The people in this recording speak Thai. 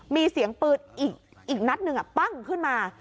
มีเสียงปืนอีกนัดหนึ่งปั้งขึ้นมา